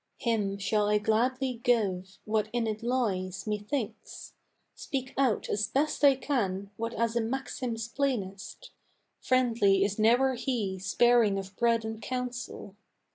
Him shall I gladly give what in it lies, methinks; Speak out as best I can what as a maxim's plainest: Friendly is never he sparing of bread and counsel.